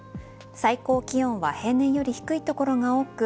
最高気温は平年より低い所が多く